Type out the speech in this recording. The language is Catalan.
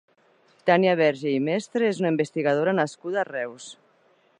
Tània Verge i Mestre és una investigadora nascuda a Reus.